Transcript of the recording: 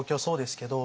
けど